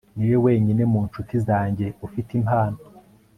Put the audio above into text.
niwe wenyine mu nshuti zanjye ufite impano